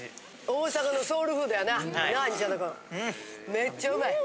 めっちゃうまい。